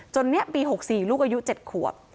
นี้ปี๖๔ลูกอายุ๗ขวบ